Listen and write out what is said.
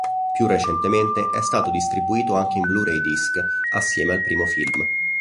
Più recentemente è stato distribuito anche in Blu-ray disc assieme al primo film.